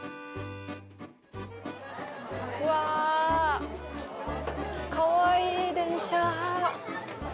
うわあ、かわいい電車。